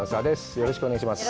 よろしくお願いします。